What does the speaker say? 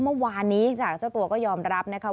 เมื่อวานนี้จากเจ้าตัวก็ยอมรับนะคะ